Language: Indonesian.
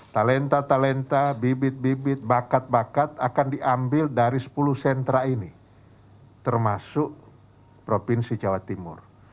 talenta talenta bibit bibit bakat bakat akan diambil dari sepuluh sentra ini termasuk provinsi jawa timur